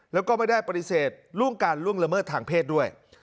แล้วก็ไม่ได้ปฏิเสธล่วงการล่วงละเมิดทางเพศด้วย